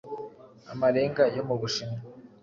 amarenga yo m u Bushinwa